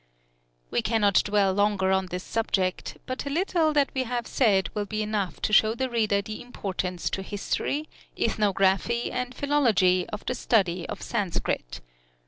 We cannot dwell longer on this subject, but the little that we have said will be enough to show the reader the importance to history, ethnography, and philology, of the study of Sanskrit.